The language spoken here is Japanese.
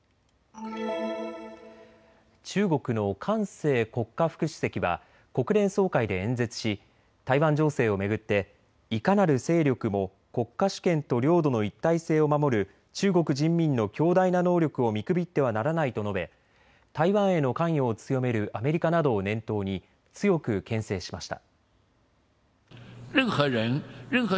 中国の韓正国家副主席は国連総会で演説し台湾情勢を巡っていかなる勢力も国家主権と領土の一体性を守る中国人民の強大な能力を見くびってはならないと述べ、台湾への関与を強めるアメリカなどを念頭に強くけん制しました。